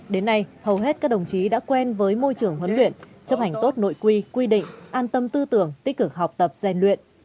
đến nay hầu hết các đồng chí đã quen với môi trường huấn luyện chấp hành tốt nội quy quy định an tâm tư tưởng tích cực học tập gian luyện